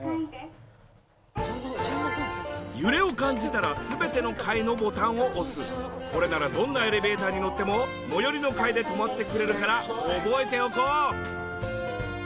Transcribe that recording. まず全ての行き先ボタンを押してこれならどんなエレベーターに乗っても最寄りの階で止まってくれるから覚えておこう！